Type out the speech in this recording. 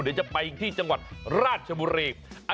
เดี๋ยวจะไปที่จังหวัดราชบุรี